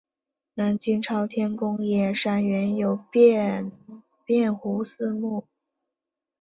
南京朝天宫冶山原有卞壸祠墓。